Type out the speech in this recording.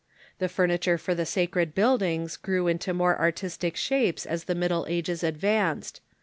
The furniture for the sacred buildings grew into more artistic shapes as the Middle Ages advanced.